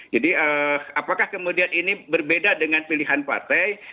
jadi apakah kemudian ini berbeda dengan pilihan partai